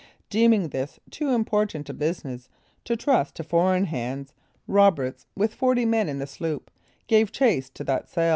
Deeming this too important a business to trust to foreign hands, Roberts, with forty men in the sloop, gave chase to that sail.